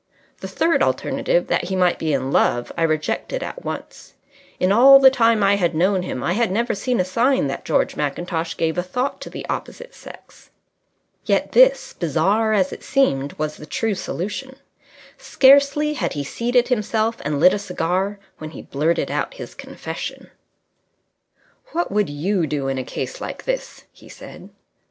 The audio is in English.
The third alternative, that he might be in love, I rejected at once. In all the time I had known him I had never seen a sign that George Mackintosh gave a thought to the opposite sex. Yet this, bizarre as it seemed, was the true solution. Scarcely had he seated himself and lit a cigar when he blurted out his confession. "What would you do in a case like this?" he said.